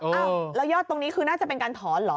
อ้าวแล้วยอดตรงนี้คือน่าจะเป็นการถอนเหรอ